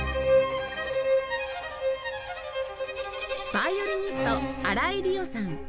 ヴァイオリニスト荒井里桜さん